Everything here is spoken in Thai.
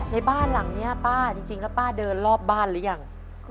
ในบ้านหลังนี้ป้าจริงแล้วป้าเดินรอบบ้านหรือยัง